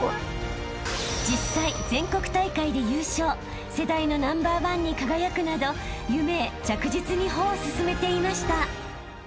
［実際全国大会で優勝世代のナンバーワンに輝くなど夢へ着実に歩を進めていました］